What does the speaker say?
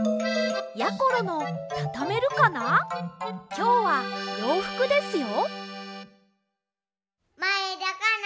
きょうはようふくですよ。